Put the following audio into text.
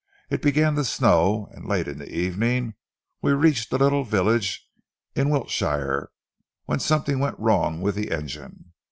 It began to snow, and late in the evening we reached a little village in Wiltshire when something went wrong with the engine.